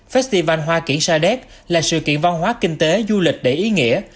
festival hoa kiển sa đéc là sự kiện văn hóa kinh tế du lịch đầy ý nghĩa